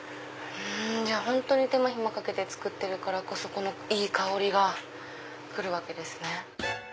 本当に手間暇かけて作っているからこそいい香りが来るわけですね。